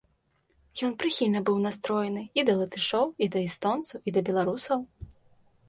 Ён прыхільна быў настроены і да латышоў, і да эстонцаў, і да беларусаў.